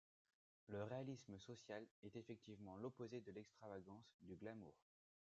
Le réalisme social est effectivement l'opposé de l'extravagance, du glamour.